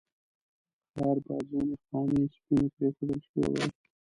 خیر باید ځینې خانې سپینې پرېښودل شوې وای.